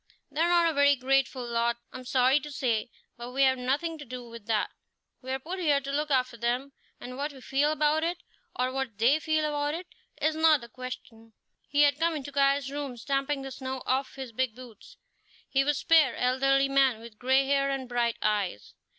They are not a very grateful lot, I'm sorry to say, but we have nothing to do with that; we're put here to look after them, and what we feel about it, or what they feel about it, is not the question." He had come into Caius' room, stamping the snow off his big boots. He was a spare, elderly man, with gray hair and bright eyes.